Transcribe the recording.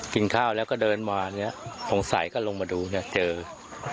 กินข้าวแล้วก็เดินมาหงสัยก็ลงมาดูเจอรองเท้า